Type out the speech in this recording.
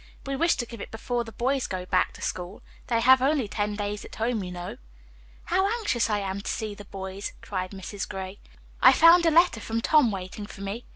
"We wish to give it before the boys go back to school. They have only ten days at home, you know." "How anxious I am to see the boys," cried Mrs. Gray. "I found a letter from Tom waiting for me.